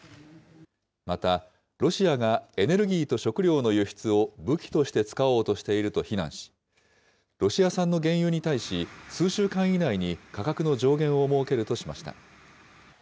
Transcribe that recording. また、ロシアがエネルギーと食料の輸出を武器として使おうとしていると非難し、ロシア産の原油に対し、数週間以内に、価格の上限を設けるとしました。